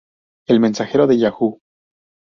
El mensajero de Yahoo!